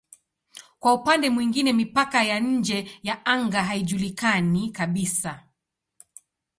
Kwa upande mwingine mipaka ya nje ya anga haijulikani kabisa.